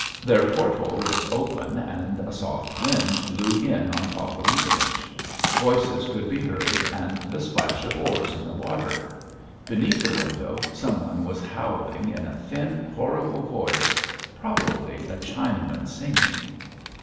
Their port hole was open and a soft wind blew in on Pavel Ivanich. Voices could be heard and the splash of oars in the water.... Beneath the window some one was howling in a thin, horrible voice; probably a Chinaman singing.